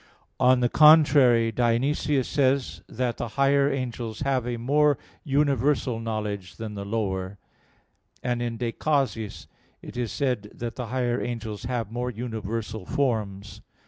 On the contrary, Dionysius says (Coel. Hier. xii) that the higher angels have a more universal knowledge than the lower. And in De Causis it is said that the higher angels have more universal forms.